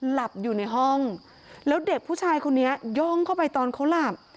หลับอยู่ในห้องแล้วเด็กผู้ชายคนนี้ย่องเข้าไปตอนเขาหลับ